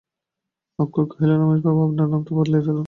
অক্ষয় কহিল, রমেশবাবু, আপনার নামটা বদলাইয়া ফেলুন।